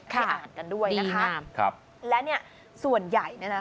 ให้อ่านกันด้วยนะคะครับและเนี่ยส่วนใหญ่เนี่ยนะ